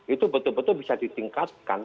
itu betul betul bisa ditingkatkan